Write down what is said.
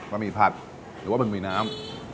หมี่ผัดหรือว่าบะหมี่น้ำ